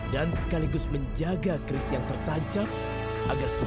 dia gak mungkin membunuhku